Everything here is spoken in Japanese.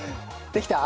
できた！